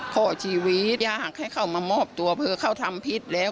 ข้อชีวิตอยากให้เข้ามามอบตัวเผื่อเขาทำผิดแล้ว